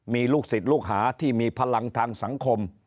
มีลูกศิษย์ลูกหาที่มีพลังทางสังคม